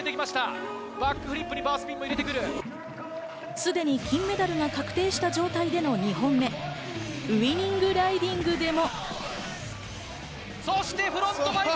すでに金メダルが確定した状態での２本目、ウイニング・ライディングでも。